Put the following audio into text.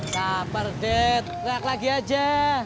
saper det lek lagi aja